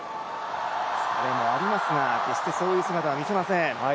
疲れもありますが決してそういう姿は見せません。